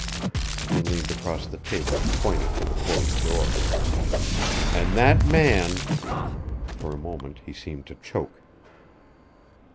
He leaned across the table and pointed to the closed door. "And that man " For a moment he seemed to choke.